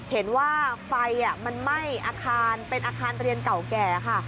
เห็นว่าไฟมันไหม้อาคารเป็นอาคารเรียนเก่าแก่ค่ะ